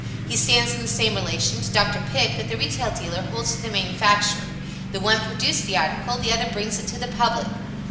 He stands in the same relation to Dr. Pick that the retail dealer holds to the manufacturer: the one produced the article, the other brings it to the public.